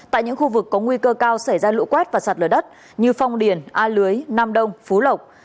tại những khu vực có nguy cơ cao xảy ra lũ quét và sạt lở đất như phong điền a lưới nam đông phú lộc